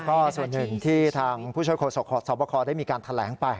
ก็ส่วนหนึ่งที่ทางผู้ช่วยโศกสวบคได้มีการแถลงไป